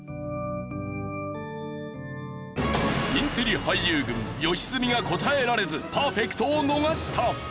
インテリ俳優軍良純が答えられずパーフェクトを逃した。